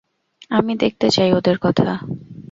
আমি দেখতে চাই ওদের কথা।